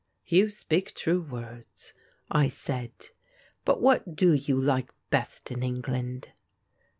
"You speak true words," I said, "but what do you like best in England?"